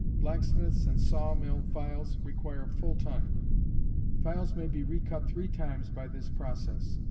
Blacksmiths' and saw mill files require full time. Files may be recut three times by this process.